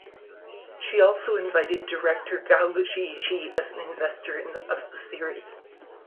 She also invited director Gao Xixi as an investor of the series.